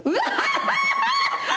ハハハッ！